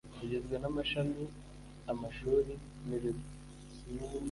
igizwe n amashami amashuri n ibigo